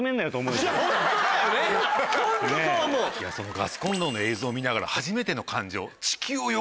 ガスコンロの映像見ながら初めての感情。